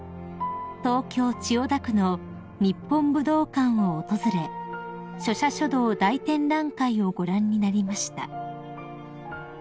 東京千代田区の日本武道館を訪れ書写書道大展覧会をご覧になりました］